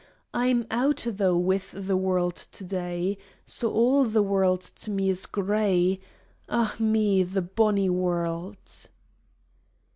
I 'in out, though, with the world to day, So all the world to me is gray — Ah me, the bonny world